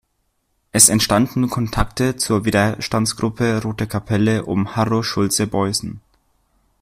Es entstanden Kontakte zur Widerstandsgruppe Rote Kapelle um Harro Schulze-Boysen.